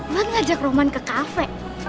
lo ngajak roman ke kafe